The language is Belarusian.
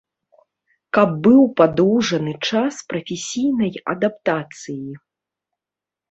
Каб быў падоўжаны час прафесійнай адаптацыі.